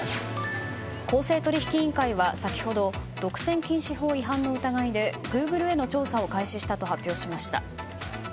公正取引委員会は先ほど独占禁止法違反の疑いでグーグルへの調査を開始したと発表しました。